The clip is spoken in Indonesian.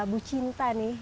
bu cinta nih